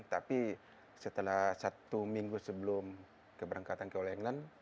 tapi setelah satu minggu sebelum keberangkatan ke all england